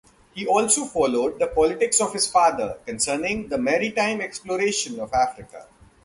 He also followed the politics of his father concerning the maritime exploration of Africa.